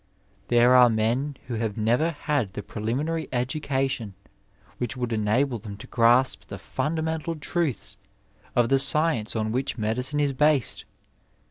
There are men who have never had the pre liminary education which would enable them to grasp the fundamental truths of the science on which medicine ' is based.